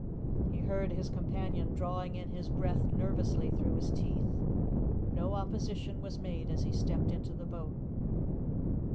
He heard his companion drawing in his breath nervously through his teeth. No opposition was made as he stepped into the boat.